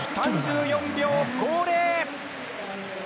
３４秒５０。